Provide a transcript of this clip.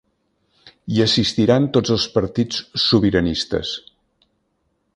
Hi assistiran tots els partits sobiranistes.